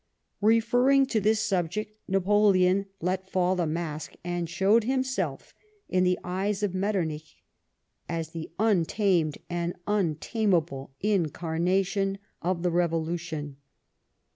Referring to this subject. Napoleon let fall the mask, and showed himself, in the eyes of Metternich, as the untamed and untameable Incarnation of the Revolution.